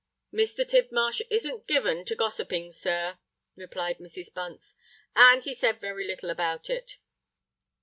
"Mr. Tidmarsh isn't given to gossiping, sir," replied Mrs. Bunce; "and he said very little about it.